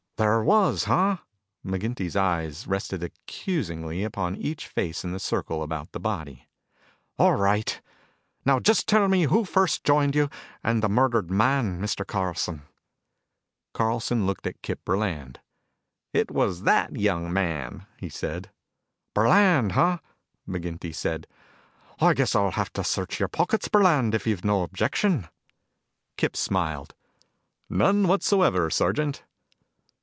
"There was, huh?" McGinty's eyes rested accusingly upon each face in the circle about the body. "All right. Now just tell me who first joined you and the murdered man, Mr. Carlson." Carlson looked at Kip Burland. "It was that young man," he said. "Burland, huh?" McGinty said. "I guess I'll have to search your pockets, Burland, if you've no objection." Kip smiled. "None whatever, Sergeant."